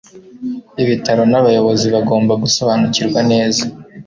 ibitaro n'abayobozi bagomba gusobanukirwa neza